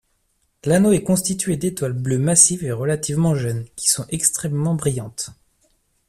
L'anneau est constitué d'étoiles bleues massives et relativement jeunes, qui sont extrêmement brillantes.